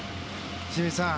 清水さん